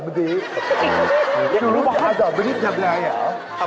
กลิ่นมะลิ๔ก้อนนี่ของน้ำถูกกว่า